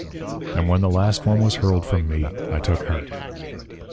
And when the last one was hurled from me I took heart.